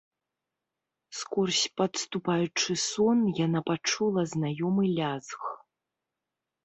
Скорзь падступаючы сон яна пачула знаёмы лязг.